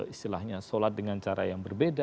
istilahnya sholat dengan cara yang berbeda